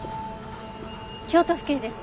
京都府警です。